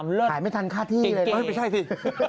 ใช่ขายไม่ทันค่าที่เลยแก่เอ้ยไม่ใช่สิ